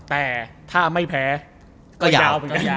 แต่ถ้าไม่แพ้ก็ยาว